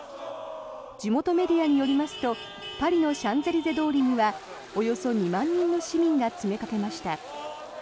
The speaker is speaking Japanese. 地元メディアによりますとパリのシャンゼリゼ通りにはおよそ２万人の市民が詰めかけました。